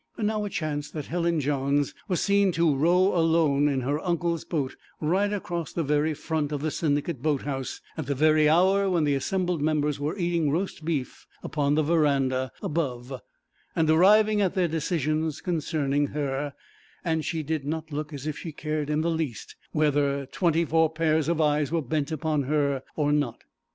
Now it chanced that Helen Johns was seen to row alone in her uncle's boat right across the very front of the Syndicate boat house, at the very hour when the assembled members were eating roast beef upon the verandah above and arriving at their decisions concerning her, and she did not look as if she cared in the least whether twenty four pair of eyes were bent upon her or not.